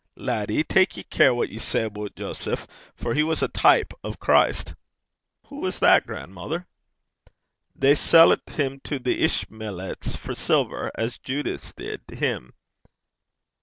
'Laddie, tak ye care what ye say aboot Joseph, for he was a teep o' Christ.' 'Hoo was that, gran'mither?' 'They sellt him to the Ishmeleets for siller, as Judas did him.'